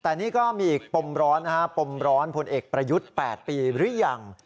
แต่นี่ก็มีอีกปมร้อนนะฮะปมร้อนพลเอกประยุทธ์๘ปีหรือยัง